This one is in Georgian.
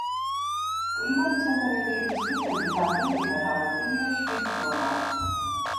კლიმატისა და რელიეფის მიხედვით, არგენტინა დაყოფილია შვიდ ზონად.